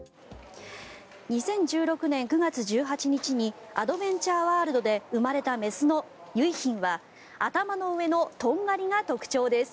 ２０１６年９月１８日にアドベンチャーワールドで生まれた雌の結浜は頭の上のとんがりが特徴です。